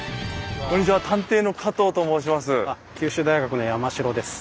探偵の加藤と申します。